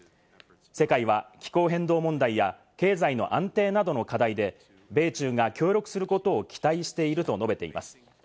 世界は気候変動問題や経済の安定などの課題で米中が協力することを期待していると述べています。